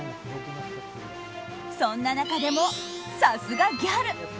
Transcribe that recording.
そんな中でも、さすがギャル。